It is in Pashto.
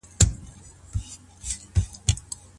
که عوض اخيستی وي نو بيرته به ئې ورکوي؟